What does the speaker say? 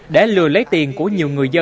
để lừa lấy tiền của nhiều người dân